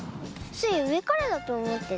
スイうえからだとおもってた。